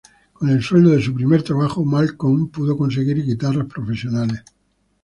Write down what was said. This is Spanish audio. Con el sueldo de su primer trabajo, Malcolm pudo conseguir guitarras profesionales.